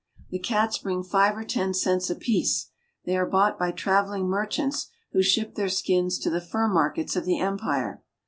The cats bring five or ten cents apiece ; they are bought by travel ing merchants, who ship their skins to the fur markets of the empire.